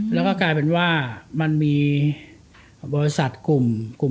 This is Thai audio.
แล้วก็กลายเป็นว่ามันมีบริษัทกลุ่ม